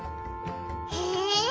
へえ！